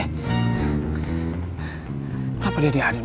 kenapa dia dihadirin